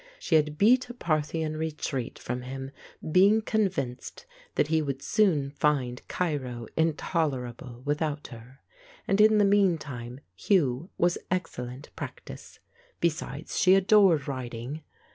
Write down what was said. She had beat a Parthian retreat from him, being convinced that he would soon find Cairo intolerable without her; and in the meantime Hugh was excellent practice. Besides, she adored riding.